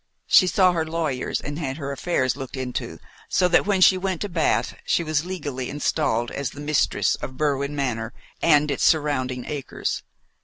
She saw her lawyers, and had her affairs looked into, so that when she went to Bath she was legally installed as the mistress of Berwin Manor and its surrounding acres.